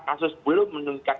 kasus belum meningkat